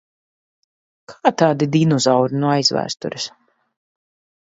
Kā tādi dinozauri no aizvēstures.